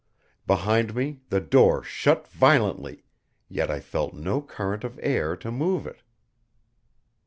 Behind me the door shut violently, yet I felt no current of air to move it.